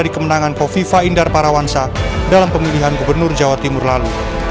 kofifa indar parawansa dalam pemilihan gubernur jawa timur lalu